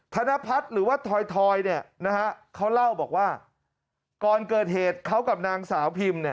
ธนพัฒน์หรือว่าทอยทอยเนี่ยนะครับเขาเล่าบอกว่าก่อนเกิดเหตุเขากับนางสาวพิมพ์